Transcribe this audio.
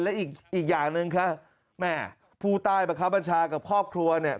และอีกอย่างหนึ่งค่ะแม่ผู้ใต้บังคับบัญชากับครอบครัวเนี่ย